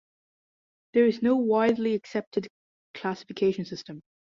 There is no widely accepted classification system.